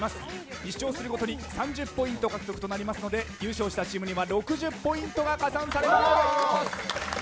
１勝するごとに３０ポイント獲得になりますので優勝したチームには６０ポイントが加算されます。